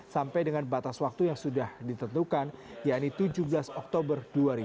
sampai dengan batas waktu yang sudah ditentukan yaitu tujuh belas oktober dua ribu dua puluh